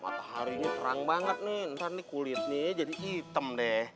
matahari ini terang banget nih ntar nih kulitnya jadi hitam deh